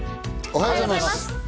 おはようございます。